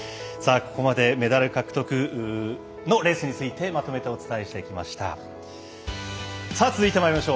ここまでメダル獲得のレースについてまとめてお伝えしてまいりました。